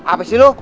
apa sih lu